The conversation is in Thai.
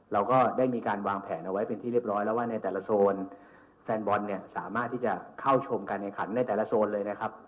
เราก็ได้มีการวางแผนเอาไว้เป็นที่เรียบร้อยแล้วว่าในแต่ละโซนแฟนบอลเนี่ยสามารถที่จะเข้าชมการแข่งขันในแต่ละโซนเลยนะครับ